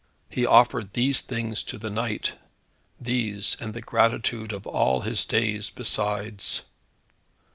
He offered these things to the knight these, and the gratitude of all his days besides.